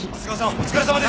お疲れさまでした！